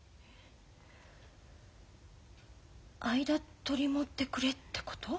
間取り持ってくれってこと？